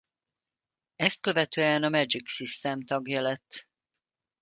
Ezt követően a Magic System tagja lett.